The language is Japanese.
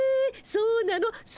そうなの？